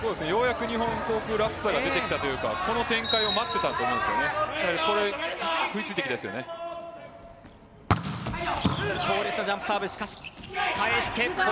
ようやく日本航空らしさが出てきたというかこの展開を待っていたんだと思うんです。